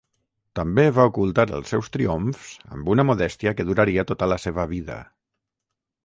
També va ocultar els seus triomfs amb una modèstia que duraria tota la seva vida.